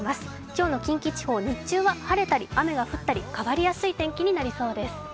今日の近畿地方、日中は晴れたり雨が降ったり変わりやすい天気になりそうです。